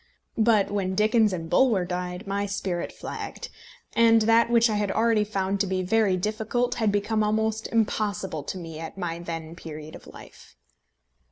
But when Dickens and Bulwer died, my spirit flagged, and that which I had already found to be very difficult had become almost impossible to me at my then period of life.